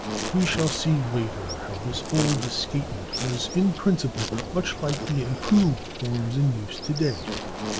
We shall see later how this old escapement was in principle much like the improved forms in use to day.